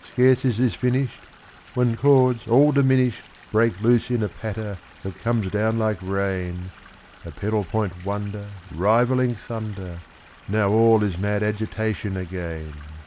Scarce is this finished When chords all diminished Break loose in a patter that comes down like rain, A pedal point wonder Rivaling thunder. Now all is mad agitation again.